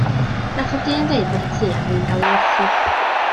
Nath y dyn ddeud bod y tŷ ar fin cael 'i werthu.